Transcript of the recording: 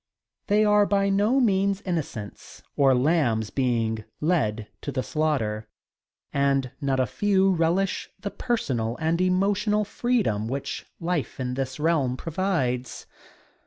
They are by no means innocents or lambs being led to the slaughter. And not a few relish the personal and emotional freedom which life in this realm provides.